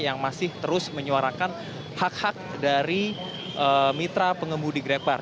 yang masih terus menyuarakan hak hak dari mitra pengemudi grab park